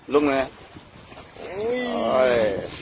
ลุงไหนโอ้ย